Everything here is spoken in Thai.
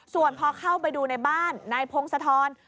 ส่วนพอเข้าไปดูในบ้านนายพงศธร